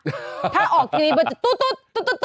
ถ้าออกทีวีมันจะตุ๊ด